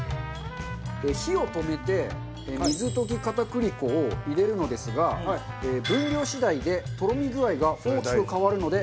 火を止めて水溶き片栗粉を入れるのですが分量次第でとろみ具合が大きく変わるので要注意。